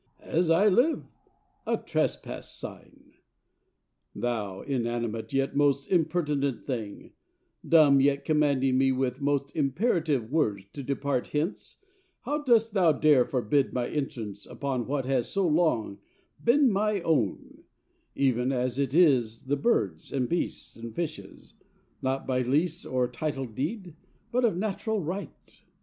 As I live, a trespass sign! Thou inanimate yet most impertinent thing, dumb yet commanding me with most imperative words to depart hence, how dost thou dare forbid my entrance upon what has so long been my own, even as it is the birds' and beasts' and fishes', not by lease or title deed, but of natural right?